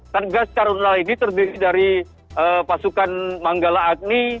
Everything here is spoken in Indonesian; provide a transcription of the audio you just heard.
satgas karhutlah ini terdiri dari pasukan manggala agni